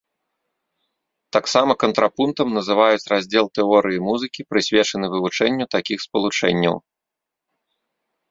Таксама кантрапунктам называюць раздзел тэорыі музыкі, прысвечаны вывучэнню такіх спалучэнняў.